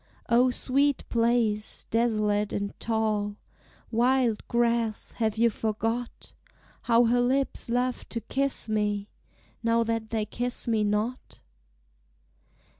O sweet place, desolate in tall Wild grass, have you forgot How her lips loved to kiss me, Now that they kiss me not?